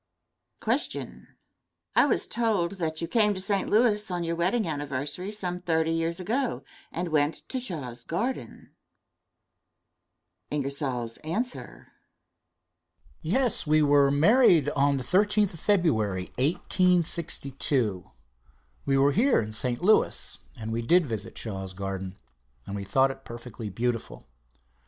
Question. I was told that you came to St. Louis on your wedding trip some thirty years ago and went to Shaw's Garden? Answer. Yes; we were married on the 13th of February, 1862. We were here in St. Louis, and we did visit Shaw's Garden, and we thought it perfectly beautiful.